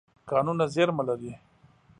کانونه زیرمه لري.